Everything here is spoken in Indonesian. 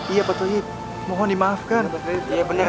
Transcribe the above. iya pak ta'id